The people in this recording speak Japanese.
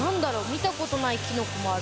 見たことないきのこもある。